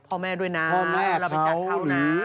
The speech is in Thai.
พ่อแม่ด้วยนะเราไปจัดเขานะ